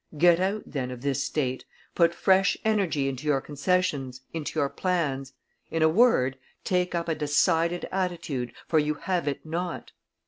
Get out, then, of this state; put fresh energy into your concessions, into your plans; in a word, take up a decided attitude, for you have it not.